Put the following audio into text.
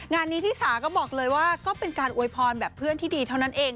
งานนี้ที่สาก็บอกเลยว่าก็เป็นการอวยพรแบบเพื่อนที่ดีเท่านั้นเอง